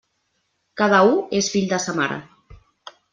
Cada u és fill de sa mare.